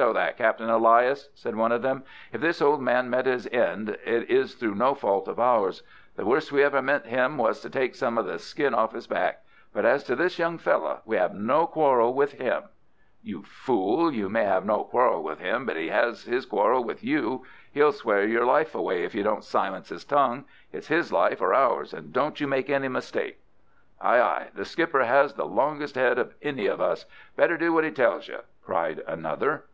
"Stow that, Captain Elias," said one of them. "If this old man met his end it is through no fault of ours. The worst we ever meant him was to take some of the skin off his back. But as to this young fellow, we have no quarrel with him——" "You fool, you may have no quarrel with him, but he has his quarrel with you. He'll swear your life away if you don't silence his tongue. It's his life or ours, and don't you make any mistake." "Aye, aye, the skipper has the longest head of any of us. Better do what he tells you," cried another.